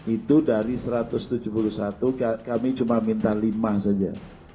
itu dari satu ratus tujuh puluh satu kami cuma minta lima saja